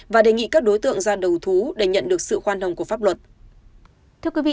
và đề nghị các đối tượng ra đầu thú để nhận được sự khoan hồng của pháp luật